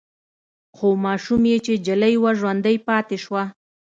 خو ماشوم يې چې نجلې وه ژوندۍ پاتې شوه.